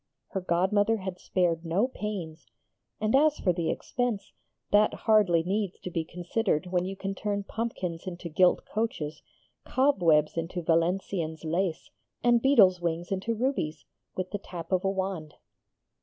Her godmother had spared no pains, and as for the expense, that hardly needs to be considered when you can turn pumpkins into gilt coaches, cobwebs into Valenciennes lace, and beetles' wings into rubies, with the tap of a wand.